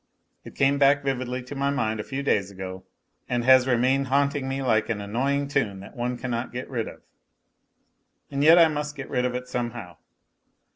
It came back vividly to my mind a few days ago, and has remained haunting me like an annoying tune that one cannot get rid of. And yet I must get rid of it somehow.